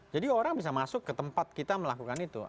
jadi orang bisa masuk ke tempat kita melakukan itu